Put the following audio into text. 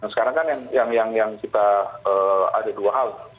sekarang kan yang kita ada dua hal